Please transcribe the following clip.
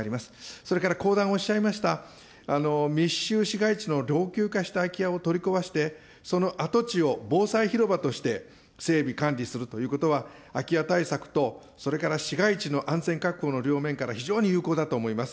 それから後段、おっしゃいました、密集市街地の老朽化した空き家を取り壊して、その跡地を防災広場として整備、管理するということは、空き家対策と、それから市街地の安全確保の両面から非常に有効だと思います。